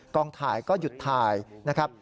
กองถ่ายก็หยุดถ่ายนะครับ